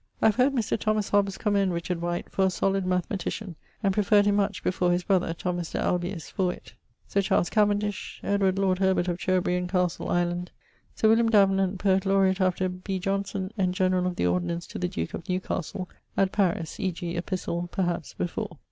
I have heard Mr. Thomas Hobbes commend Richard White for a solid mathematician and preferred him much before his brother Thomas de Albiis for it. Sir Charles Cavendish. Edward, lord Herbert of Cherbery and Castle Island. Sir William Davenant, Poet Laureat after B. Johnson, and generall of the ordinance to the duke of Newcastle at Paris (e.g. epistle); perhaps before.